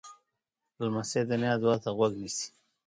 لمسی د نیا دعا ته غوږ نیسي.